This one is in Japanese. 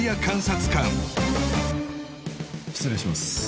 監察官失礼します